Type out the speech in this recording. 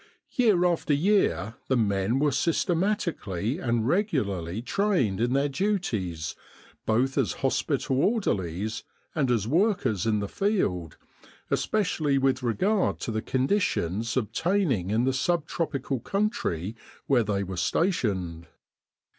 Year after year the men were system atically and regularly trained in their duties both as hospital orderlies and as workers in the field, especi ally with regard to the conditions obtaining in the 13 With the R.A.M.C. in Egypt sub tropical country where they were stationed.